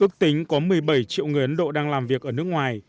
ước tính có một mươi bảy triệu người ấn độ đang làm việc ở nước ngoài